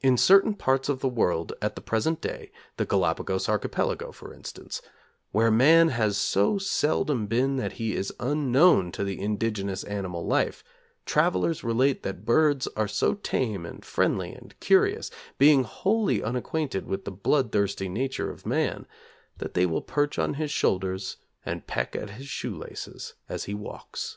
In certain parts of the world, at the present day the Galapagos Archipelago, for instance where man has so seldom been that he is unknown to the indigenous animal life, travellers relate that birds are so tame and friendly and curious, being wholly unacquainted with the bloodthirsty nature of man, that they will perch on his shoulders and peck at his shoe laces as he walks.